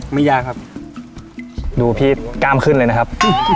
ไม่ยากครับดูพี่กล้ามขึ้นเลยนะครับ